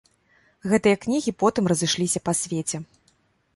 Гэтыя кнігі потым разышліся па свеце.